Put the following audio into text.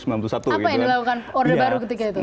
apa yang dilakukan orde baru ketika itu